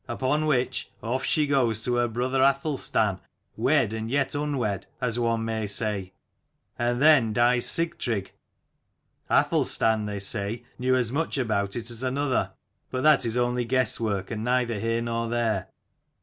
Upon which off she goes to her brother Athelstan, wed and yet unwed, as one may say. And then dies Sigtrygg. Athelstan, they say, knew as much about it as another: but that is only guess work, and neither here nor there.